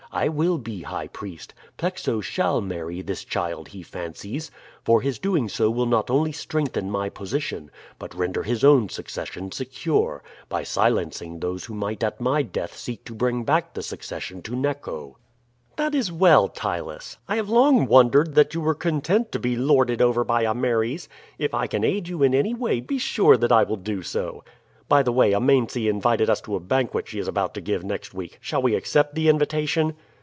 I will be high priest; Plexo shall marry this child he fancies, for his doing so will not only strengthen my position, but render his own succession secure, by silencing those who might at my death seek to bring back the succession to Neco." "That is well, Ptylus. I have long wondered that you were content to be lorded over by Ameres. If I can aid you in any way be sure that I will do so. By the way, Amense invited us to a banquet she is about to give next week. Shall we accept the invitation?"